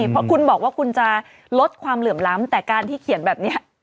เพราะคุณบอกว่าคุณจะลดความเหลื่อมล้ำแต่การที่เขียนแบบนี้